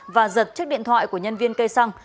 và giật chiếc điện thoại của nhân viên cây xăng